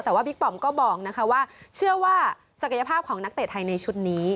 แต่ว่าบิ๊กปอมก็บอกว่าเชื่อว่าศักยภาพของนักเตะไทยในชุดนี้